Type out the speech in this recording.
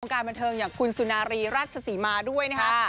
การบันเทิงอย่างคุณสุนารีราชศรีมาด้วยนะครับ